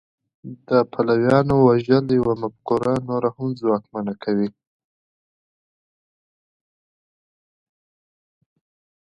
د پلویانو وژل یوه مفکوره نوره هم ځواکمنه کوي